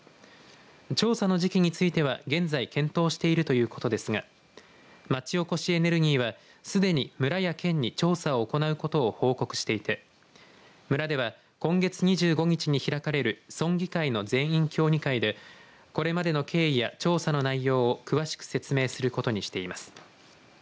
調査の時期については現在、検討しているということですが町おこしエネルギーはすでに村や県に調査を行うことを報告していて村では、今月２５日に開かれる村議会の全員協議会でこれまでの経緯や調査の内容を詳しく説明することにしています。